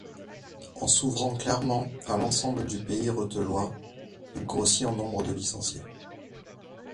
En s'ouvrant clairement à l'ensemble du Pays Rethelois, il grossit en nombre de licenciés.